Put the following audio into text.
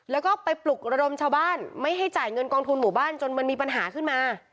แล้วก็ไปปลุกระดมชาวบ้านไม่ให้จ่ายเงินกองทุนหมู่บ้านจนมันมีปัญหาขึ้นมา